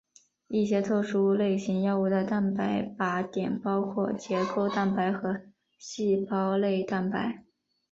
一些特殊类型药物的蛋白靶点包括结构蛋白和细胞内蛋白。